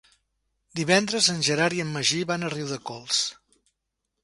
Divendres en Gerard i en Magí van a Riudecols.